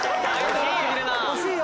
惜しいよ。